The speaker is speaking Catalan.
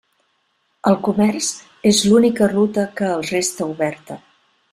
El comerç és l'única ruta que els resta oberta.